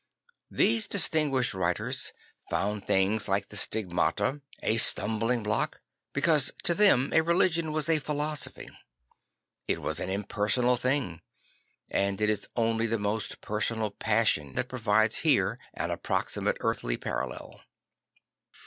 These distinguished writers found things like the Stigmata a stumbling 14 St. Francis of Assisi block because to them a religion was a philosophy. I t was an impersonal thing; and it is only the most personal passion that provides here an approximate earthly parallel.